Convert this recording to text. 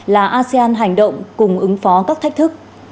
là asean hành động cùng ứng phó các thách thức